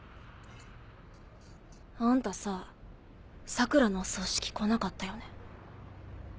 あんたさ桜良のお葬式来なかったよね。